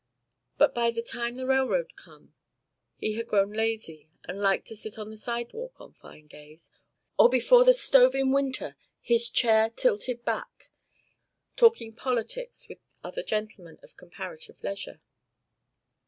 But by the time the railroad came he had grown lazy and liked to sit on the sidewalk on fine days, or before the stove in winter, his chair tilted back, talking politics with other gentlemen of comparative leisure.